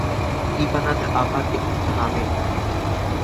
কৃপানাথ আবার একটু থামে!